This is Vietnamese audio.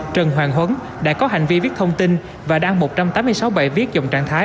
trần hoàng hấn đã có hành vi viết thông tin và đăng một trăm tám mươi sáu bài viết dòng trạng thái